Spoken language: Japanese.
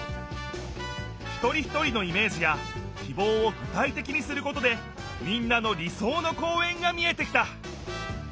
ひとりひとりのイメージやきぼうをぐたいてきにすることでみんなの理そうの公園が見えてきた！